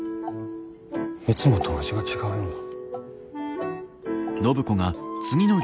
いつもとは味が違うような。